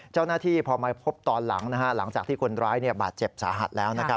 เจ้าหน้าที่พอมาพบตอนหลังหลังจากที่คนร้ายบาดเจ็บสาหัสแล้ว